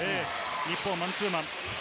日本はマンツーマン。